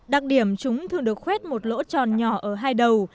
đặc điểm chúng thường được khoét một lỗ tròn nhỏ ở hai đầu